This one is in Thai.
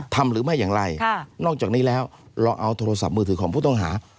หรือไม่อย่างไรนอกจากนี้แล้วเราเอาโทรศัพท์มือถือของผู้ต้องหา